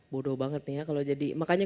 bodoh banget nih ya kalau jadi makanya